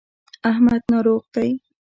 احمد ناروغ دی.